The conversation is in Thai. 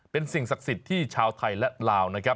เป็นสิ่งศักดิ์สิทธิ์ที่ชาวไทยและลาวนะครับ